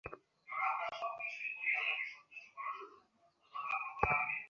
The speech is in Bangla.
এখানে সারের মতো গন্ধ পাচ্ছি।